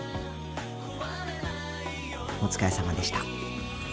お疲れさまでした。